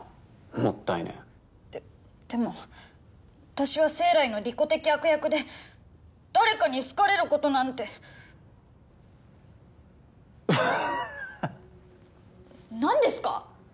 もったいねえででも私は生来の利己的悪役で誰かに好かれることなんてははっなんですか？